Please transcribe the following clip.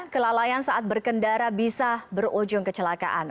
kelalaian saat berkendara bisa berujung kecelakaan